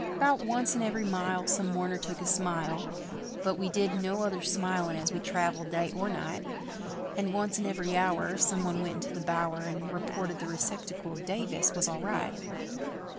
'Bout once in every mile Some mourner took a smile, But we did no other smilin' as we travelled day or night; And once in every hour Some one went into the bower, And reported the receptacle of Davis was all right.